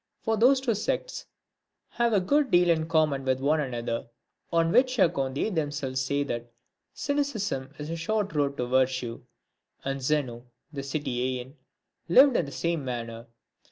For those two sects have a good deal in common with one another, on which account they themselves say that cynicism is a short road to virtue ; and Zeno, the Cittisean lived in the same manner.